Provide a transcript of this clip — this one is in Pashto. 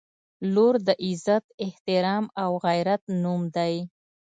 • لور د عزت، احترام او غیرت نوم دی.